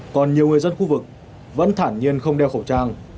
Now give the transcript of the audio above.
còn nhiều người dân khu vực vẫn thản nhiên không đeo khẩu trang